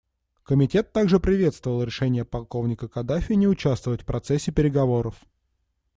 Комитет также приветствовал решение полковника Каддафи не участвовать в процессе переговоров.